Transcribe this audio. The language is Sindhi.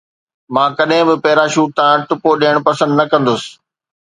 مان ڪڏهن به پيراشوٽ تان ٽپو ڏيڻ پسند نه ڪندس